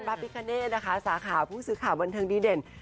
พระพิคเนธนะคะสาขาผู้สื่อข่าวบันเทิงดีเด่น